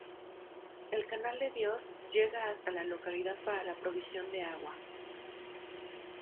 El Canal de Dios llega hasta la localidad para la provisión de agua.